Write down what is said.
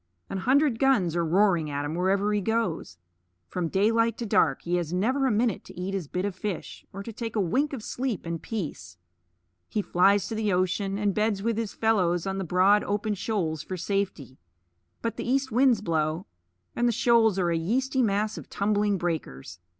An hundred guns are roaring at him wherever he goes. From daylight to dark he has never a minute to eat his bit of fish, or to take a wink of sleep in peace. He flies to the ocean, and beds with his fellows on the broad open shoals for safety. But the east winds blow; and the shoals are a yeasty mass of tumbling breakers.